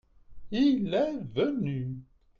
il est venu.